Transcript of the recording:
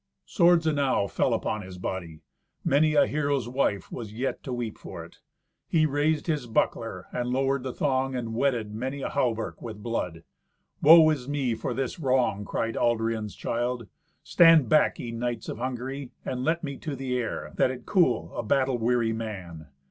Swords enow fell upon his body. Many a hero's wife was yet to weep for it. He raised his buckler, and lowered the thong, and wetted many a hauberk with blood. "Woe is me for this wrong!" cried Aldrian's child. "Stand back, ye knights of Hungary, and let me to the air, that it cool a battle weary man."